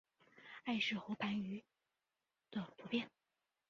艾氏喉盘鱼的图片